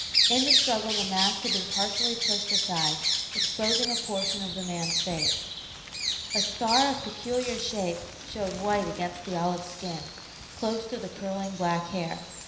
In the struggle the mask had been partially pushed aside, exposing a portion of the man's face. A scar of peculiar shape showed white against the olive skin, close to the curling black hair.